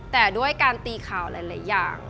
แต่ด้วยการตีข่าวหลายอย่าง